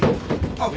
あっ。